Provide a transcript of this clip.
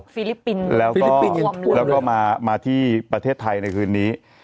ฟิลิปปินแล้วก็มาที่ประเทศไทยในคืนนี้